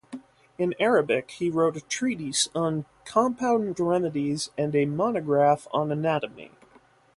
In Arabic, he wrote a treatise on compound remedies and a monograph on anatomy.